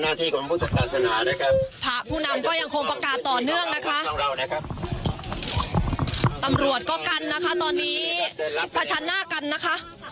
ตอนนี้ประเฉินหน้ากันแล้วนะคะในส่วนของผ้าพิกสุทธิ์ทรงนะคะ